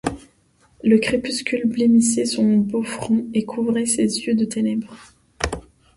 Le crépuscule blêmissait son beau front et couvrait ses yeux de ténèbres.